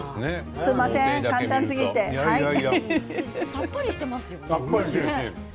さっぱりしてますよね。